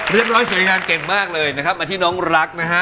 เรียบร้อยสวยงามเก่งมากเลยนะครับมาที่น้องรักนะฮะ